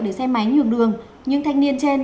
để xe máy nhường đường nhưng thanh niên trên